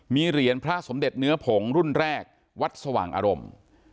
มีเหรียญพระสมเด็จเนื้อผงรุ่นแรกวัดสว่างอารมณ์